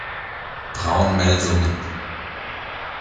Braun Melsungen.